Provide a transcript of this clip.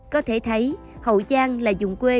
có thể thấy hậu giang là dùng quê